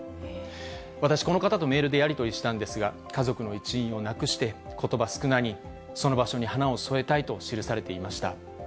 私、この方とメールでやり取りしたんですが、家族の一員を亡くして、ことば少なにその場所に花を添えたいと記されていました。